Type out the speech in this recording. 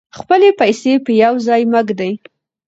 خپلې پیسې په یو ځای مه ږدئ.